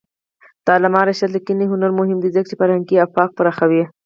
د علامه رشاد لیکنی هنر مهم دی ځکه چې فرهنګي افق پراخوي.